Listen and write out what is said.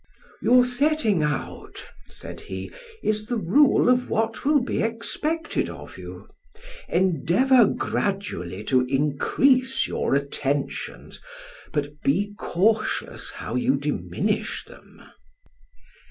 "Your setting out," said he, "is the rule of what will be expected of you; endeavor gradually to increase your attentions, but be cautious how you diminish them."